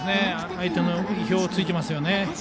相手の意表を突いていますね。